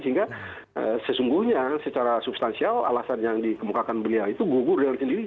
sehingga sesungguhnya secara substansial alasan yang dikemukakan beliau itu gugur dengan sendiri